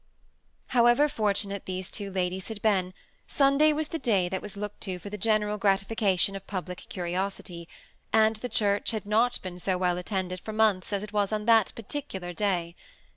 However fortunate these two ladies had been, Sunday was the day that was looked to for the general gratifica tion of public curiosity ; and the church had not been so well attended for months as it was on that particular day.